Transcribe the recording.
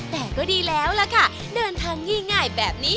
แต่ก็ดีแล้วล่ะค่ะเดินทางง่ายแบบนี้